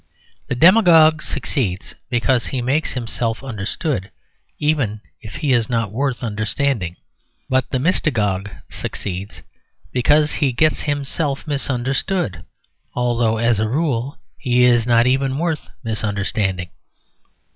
The demagogue succeeds because he makes himself understood, even if he is not worth understanding. But the mystagogue succeeds because he gets himself misunderstood; although, as a rule, he is not even worth misunderstanding.